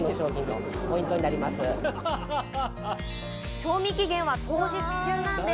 賞味期限は当日中なんです。